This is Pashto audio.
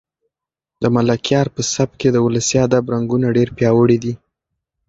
د ملکیار په سبک کې د ولسي ادب رنګونه ډېر پیاوړي دي.